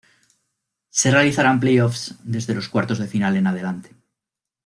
Se realizarán Play-Offs desde los Cuartos de Final en adelante.